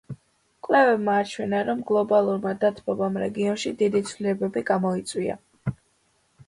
კვლევებმა აჩვენა, რომ გლობალურმა დათბობამ რეგიონში დიდი ცვლილებები გამოიწვია.